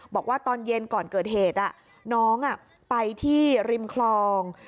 บอกว่าตอนเย็นก่อนเกิดเหตุน้องไปที่ริมคลอง